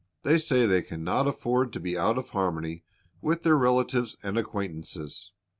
They say they can not afford to be out of harmony with their relatives and acquaintances.